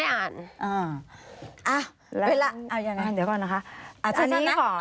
เอาไม่อ่าน